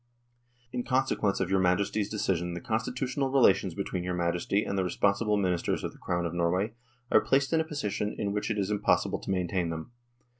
" In consequence of your Majesty's decision the constitutional relations between your Majesty and the responsible Ministers of the Crown of Norway are placed in a position in which it is impossible to maintain them.